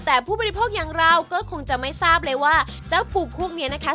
แต่ผู้บริโภคอย่างเราก็คงจะไม่ทราบเลยว่าเจ้าปูพวกนี้นะคะ